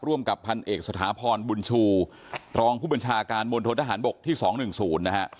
ร่วมกับพันธุ์เอกสถาพรฯบุญชูรองพุบัญชาการมวลโทษหารบกที่สองหนึ่งสูรนะฮะ